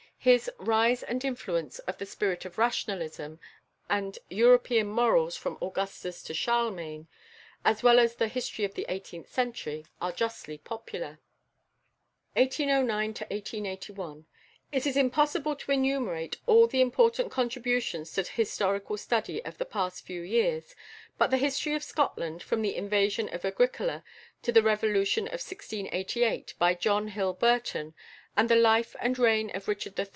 His "Rise and Influence of the Spirit of Rationalism," and "European Morals from Augustus to Charlemagne," as well as the "History of the Eighteenth Century," are justly popular. It is impossible to enumerate all the important contributions to historical study of the past few years, but the "History of Scotland, from the Invasion of Agricola to the Revolution of 1688," by =John Hill Burton (1809 1881)=, and the "Life and Reign of Richard III.